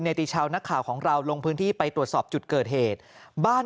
ติชาวนักข่าวของเราลงพื้นที่ไปตรวจสอบจุดเกิดเหตุบ้าน